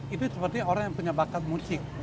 itu seperti orang yang punya bakat musik